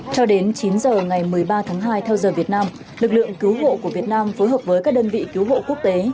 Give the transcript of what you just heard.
cho đến chín giờ ngày một mươi ba tháng hai theo giờ việt nam lực lượng cứu hộ của việt nam phối hợp với các đơn vị cứu hộ quốc tế